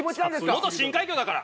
元深海魚だから。